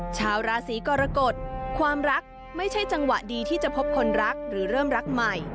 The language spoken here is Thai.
ชาวราศีกรกฎความรักไม่ใช่จังหวะดีที่จะพบคนรักหรือเริ่มรักใหม่